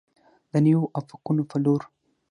د نویو افقونو په لور.